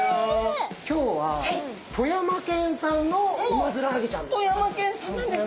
今日は富山県産のウマヅラハギちゃんです。